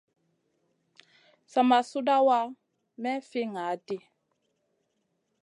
Sa ma suɗawa may fi ŋaʼaɗ ɗi.